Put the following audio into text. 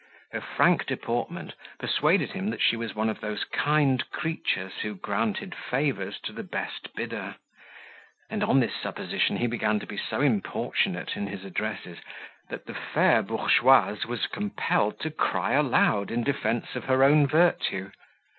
Her frank deportment persuaded him that she was one of those kind creatures who granted favours to the best bidder: on this supposition he began to be so importunate in his addresses, that the fair bourgeoise was compelled to cry aloud in defence of her own virtue.